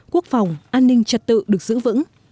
quốc phòng an ninh trật tự được giữ vững